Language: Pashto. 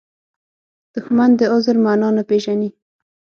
دښمن د عذر معنا نه پېژني